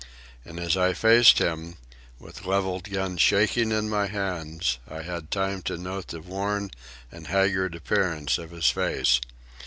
And as I faced him, with levelled gun shaking in my hands, I had time to note the worn and haggard appearance of his face.